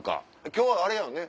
今日はあれやよね